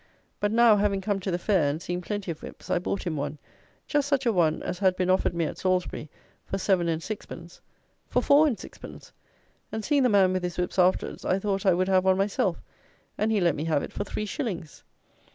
But now, having come to the fair, and seeing plenty of whips, I bought him one, just such a one as had been offered me at Salisbury for seven and sixpence, for four and sixpence; and, seeing the man with his whips afterwards, I thought I would have one myself; and he let me have it for three shillings.